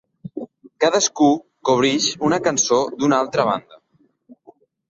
Cadascú cobreix una cançó d'una altra banda.